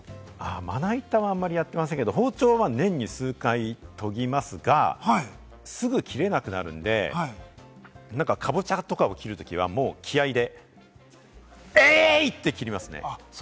まな板はあんまりやってませんけれども、包丁は年に数回、研ぎますが、すぐ切れなくなるので、かぼちゃとかを切るときはもう気合いで、えいっ！って切りますね。